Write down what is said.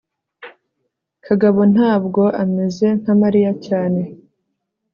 kagabo ntabwo ameze nka mariya cyane